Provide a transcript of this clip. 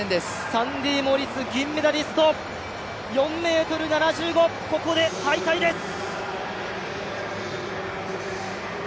サンディ・モリス、銀メダリスト、４ｍ７５、ここで敗退です。